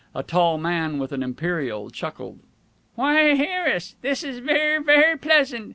A tall man with an imperial chuckled. "Why, Harris, this is ver', ver' pleasant.